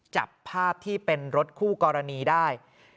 จับภาพที่เป็นรถคู่กรณีได้